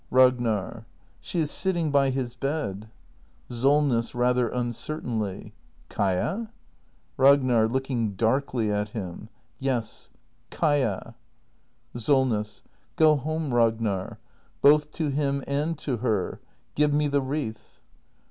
Ragnar. S h e is sitting by his bed. Solness. [Rather uncertainly.] Kaia ? Ragnar. [Looking darkly at him.] Yes — Kaia. Solness. Go home, Ragnar — both to him and to her. Give m e the wreath.